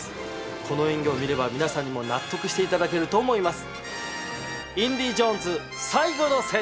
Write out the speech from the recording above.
この演技を見れば皆さんにも納得していただけると思います。